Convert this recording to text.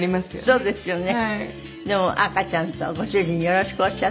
そうですね。